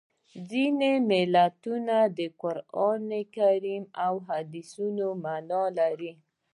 ځینې متلونه د قرانکریم او احادیثو مانا لري